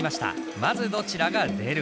まずどちらが出るか？